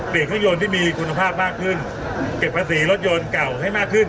เครื่องยนต์ที่มีคุณภาพมากขึ้นเก็บภาษีรถยนต์เก่าให้มากขึ้น